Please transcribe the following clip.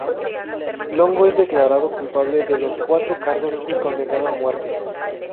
Longo es declarado culpable de los cuatro cargos y condenado a muerte.